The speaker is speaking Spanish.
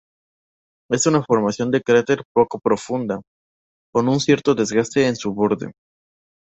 Es una formación de cráter poco profunda, con un cierto desgaste en su borde.